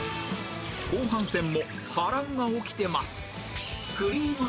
後半戦も波乱が起きてます